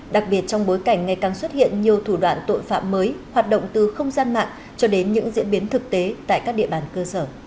đặc biệt trong bối cảnh ngày càng xuất hiện nhiều thủ đoạn tội phạm mới hoạt động từ không gian mạng cho đến những diễn biến thực tế tại các địa bàn cơ sở